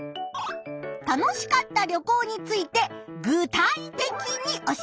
楽しかった旅行について具体的に教えて。